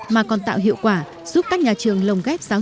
mà còn tạo hiệu quả giúp các nhà trường lồng ghép giáo